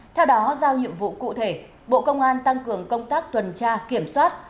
theo đó giao nhiệm vụ cụ thể bộ công an tăng cường công tác tuần tra kiểm soát